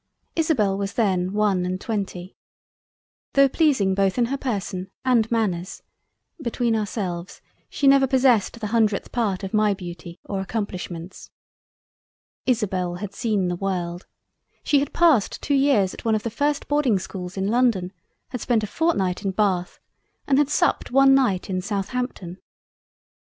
Isobel was then one and twenty. Tho' pleasing both in her Person and Manners (between ourselves) she never possessed the hundredth part of my Beauty or Accomplishments. Isabel had seen the World. She had passed 2 Years at one of the first Boarding schools in London; had spent a fortnight in Bath and had supped one night in Southampton.